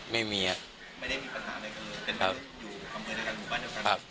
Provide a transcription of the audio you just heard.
มาเที่ยวด้วยกัน